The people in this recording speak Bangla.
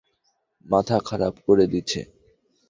মাথা খারাপ করে দিছে।